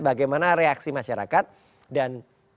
bagaimana reaksi masyarakat dan